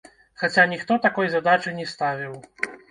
Хаця ніхто такой задачы не ставіў.